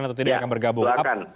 atau tidak yang bergabung